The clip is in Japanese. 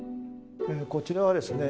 こちらはですね